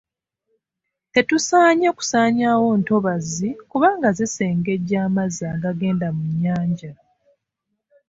Tetusaanye kusaanyawo ntobazi kubanga zisengejja amazzi agagenda mu nnyanja.